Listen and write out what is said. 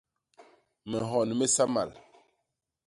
Minhon misamal.